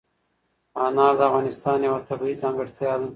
انار د افغانستان یوه طبیعي ځانګړتیا ده.